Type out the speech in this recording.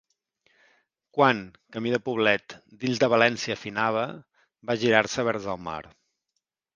Quan, camí de Poblet, dins de València finava, va girar-se vers el mar.